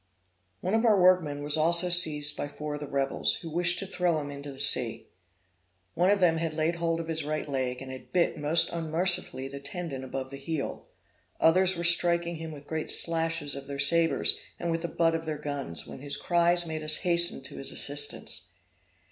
One of our workmen was also seized by four of the rebels, who wished to throw him into the sea. One of them had laid hold of his right leg, and had bit most unmercifully the tendon above the heel; others were striking him with great slashes of their sabres, and with the butt end of their guns, when his cries made us hasten to his assistance.